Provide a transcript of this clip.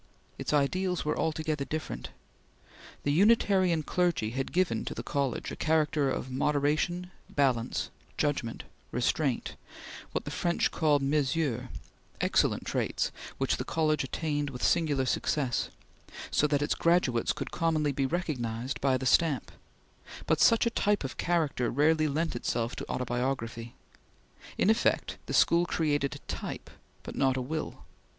Its ideals were altogether different. The Unitarian clergy had given to the College a character of moderation, balance, judgment, restraint, what the French called mesure; excellent traits, which the College attained with singular success, so that its graduates could commonly be recognized by the stamp, but such a type of character rarely lent itself to autobiography. In effect, the school created a type but not a will.